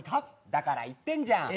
だから言ってんじゃん。